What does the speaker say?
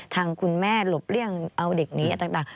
ทางคุณแม่หลบเลี่ยงเอาเด็กนี้ต่าง